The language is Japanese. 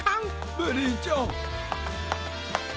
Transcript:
ベリーちゃん！